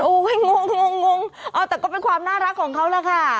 ให้งงงงเอาแต่ก็เป็นความน่ารักของเขาล่ะค่ะ